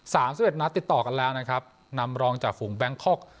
สามสิบเอ็ดนัดติดต่อกันแล้วนะครับนำรองจากฝูงแบงคอก